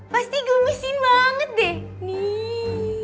pasti gemesin banget deh niii